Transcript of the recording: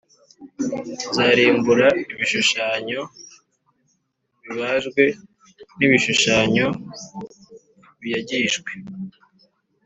Nzarimbura ibishushanyo bibajwe n ibishushanyo biyagijwe